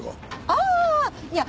ああいや